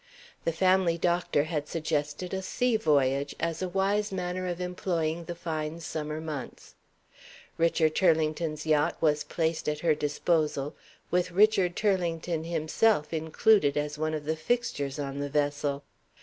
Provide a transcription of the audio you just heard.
The family doctor had suggested a sea voyage, as a wise manner of employing the fine summer months. Richard Turlington's yacht was placed at her disposal, with Richard Turlington himself included as one of the fixtures of the vessel.